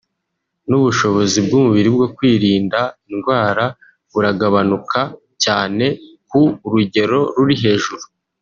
n’ubushobozi bw’umubiri bwo kwirinda indwara buragabanuka cyane ku rugero ruri hejuru